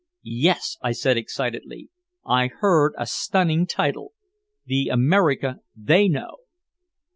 "Yes," I said excitedly. "I heard a stunning title! The America They Know!"